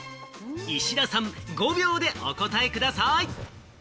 石田さん、５秒でお答えください。